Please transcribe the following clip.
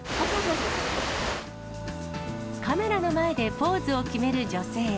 カメラの前でポーズを決める女性。